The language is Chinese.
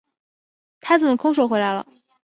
他怎么空手回来了？